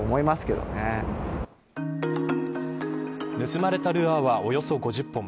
盗まれたルアーはおよそ５０本。